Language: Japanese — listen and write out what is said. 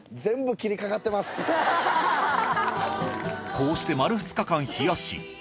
こうして丸２日間冷やし